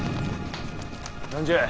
何じゃ。